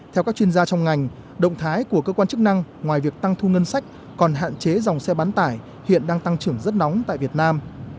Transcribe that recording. theo các chuyên gia trong ngành động thái của cơ quan chức năng ngoài việc tăng thu ngân sách còn hạn chế dòng xe bán tải hiện đang tăng trưởng rất nóng tại việt nam